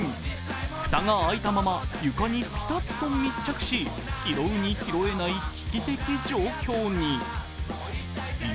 蓋が開いたまま、床にピタッと密着し、拾うに拾えない危機的状況に。